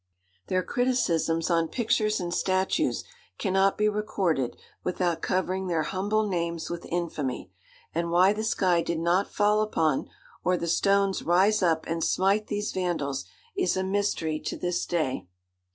Their criticisms on pictures and statues cannot be recorded without covering their humble names with infamy; and why the sky did not fall upon, or the stones rise up and smite these Vandals, is a mystery to this day.